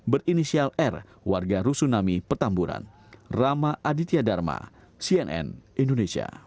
berinisial r warga rusun nami petamburan